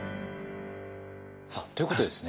さあということでですね。